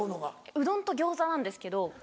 うどんと餃子なんですけど。